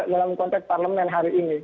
dalam konteks parlemen hari ini